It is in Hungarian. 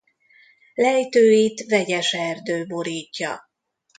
Lejtőit vegyes erdő borítja.